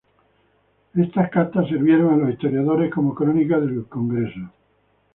Estas cartas sirvieron a los historiadores como crónica del Congreso.